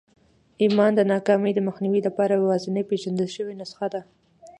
ايمان د ناکامۍ د مخنيوي لپاره يوازېنۍ پېژندل شوې نسخه ده.